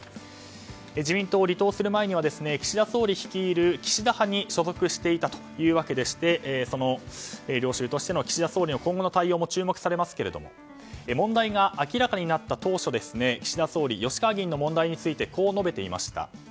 自民党を離党する前には岸田総理率いる岸田派に所属していたというわけでして領袖としての岸田総理の今後の対応も注目されますけれども問題が明らかになった当初岸田総理吉川議員の問題についてこう述べていました。